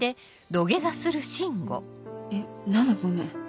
えっ何の「ごめん」？